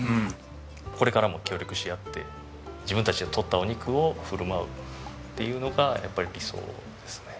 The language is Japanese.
これからも協力し合って自分たちで取ったお肉を振る舞うっていうのがやっぱり理想ですね。